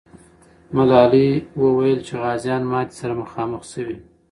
ملالۍ وویل چې غازیان ماتي سره مخامخ سوي.